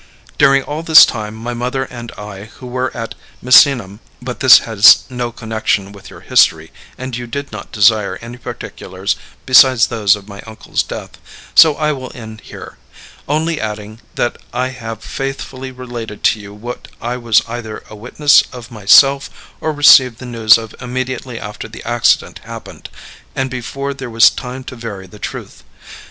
During all this time my mother and I, who were at Misenum but this has no connection with your history, and you did not desire any particulars besides those of my uncle's death, so I will end here, only adding that I have faithfully related to you what I was either a witness of myself or received the news of immediately after the accident happened, and before there was time to vary the truth.